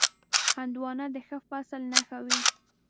هندوانه د ښه فصل نښه وي.